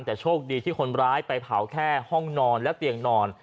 แต่โชคดีที่คนร้ายไปเผาแค่ห้องนอนและเตียงนอน